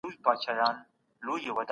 په ژبه مو مه وېشئ.